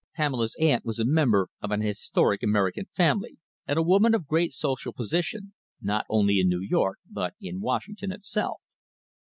Pamela's aunt was a member of an historic American family, and a woman of great social position, not only in New York but in Washington itself.